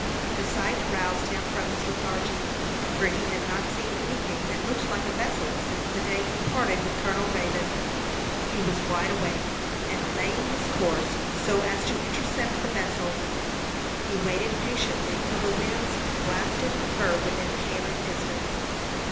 The sight roused him from his lethargy, for he had not seen any thing that looked like a vessel since the day he parted with Colonel Raybone. He was wide awake; and laying his course so as to intercept the vessel, he waited patiently till the winds wafted her within hailing distance.